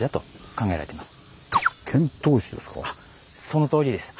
そのとおりです。